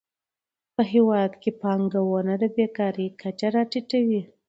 په هیواد کې پانګونه د بېکارۍ کچه راټیټوي.